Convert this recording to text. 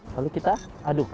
lalu kita aduk